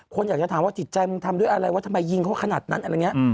คนอยากจะถามว่าจิตใจมึงทำด้วยอะไรว่าทำไมยิงเขาขนาดนั้นอะไรอย่างนี้